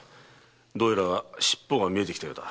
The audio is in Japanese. どうやら尻尾が見えてきたようだ。